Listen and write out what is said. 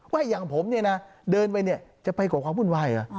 ว่าอย่างผมเนี่ยนะเดินไปจะไปกว่าความบุญวาย